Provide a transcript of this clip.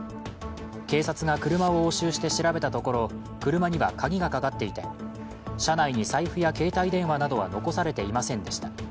警察が車を押収して調べたところ車には鍵がかかっていて車内に財布や携帯電話などは残されていませんでした。